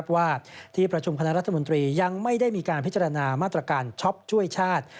ว่าที่ประชุมคณะรัฐมนตรียังไม่ได้มีการพิจารณามาตรการช็อปช่วยชาติ